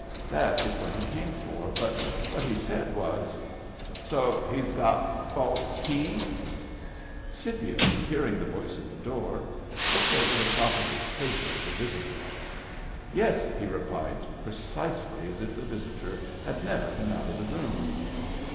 That is what he came for, but what he said was :—" So he has got false teeth ?" Scipio, hearing the voice at the door, looked over the top of his paper at the visitor. "Yes," he replied, precisely as if the visitor had never been out of the room.